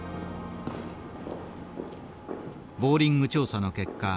ボーリング調査の結果